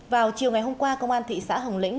vào chiều ngày hôm qua công an thị xã hồng lĩnh